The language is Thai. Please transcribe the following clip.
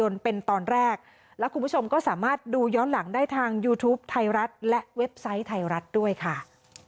เว็บไซต์ไทยรัฐด้วยค่ะ